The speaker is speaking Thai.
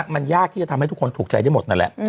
มันยากที่จะทำให้ทุกคนถูกใจได้หมดนั่นแหละ